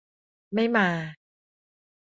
ไม่มา